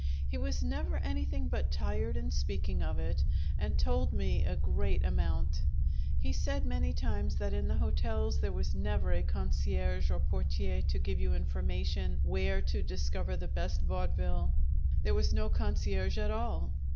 He was never anything but tired in speaking of it, and told me a great amount. He said many times that in the hotels there was never a concierge or portier to give you information where to discover the best vaudeville; there was no concierge at all!